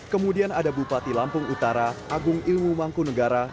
kemudian ada bupati lampung utara agung ilmu mangku negara